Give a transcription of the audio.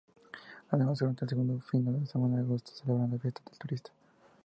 Además, durante el segundo fin de semana de agosto celebran la "fiesta del turista".